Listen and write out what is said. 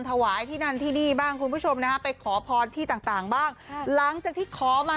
ถวายที่นั่นที่นี่บ้างคุณผู้ชมนะฮะไปขอพรที่ต่างต่างบ้างหลังจากที่ขอมา